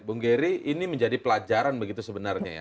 bung geri ini menjadi pelajaran begitu sebenarnya ya